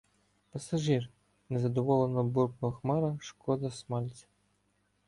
— Пасажир, — незадоволено буркнув Хмара, — шкода смальцю.